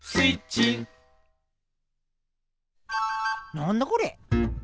なんだこれ？